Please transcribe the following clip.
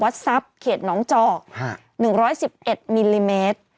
วัสซับเขตน้องจอก๑๑๑มิลลิเมตร